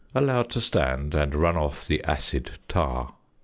Allow to stand, and run off the "acid tar."